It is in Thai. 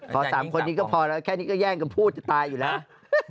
พอ๓คนนี้ก็พอแล้วแค่นี้ก็แย่งกันพูดจะตายอยู่แล้ว